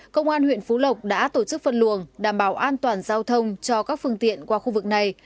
công an huyện phú lộc đã tổ chức phân luồng đảm bảo an toàn giao thông cho các phương tiện qua khu vực này